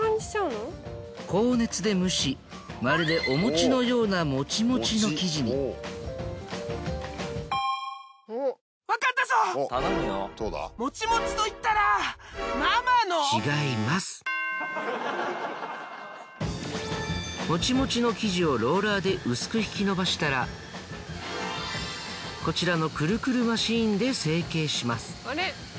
高熱で蒸しまるでお餅のようなもちもちの生地にもちもちの生地をローラーで薄く引き伸ばしたらこちらのくるくるマシンで成型します。